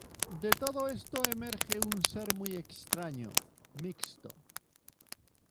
De todo esto emerge un ser muy extraño, mixto.